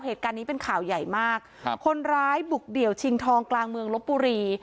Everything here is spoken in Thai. เหตุการณ์นี้เป็นข่าวใหญ่มากครับคนร้ายบุกเดี่ยวชิงทองกลางเมืองลบบุรี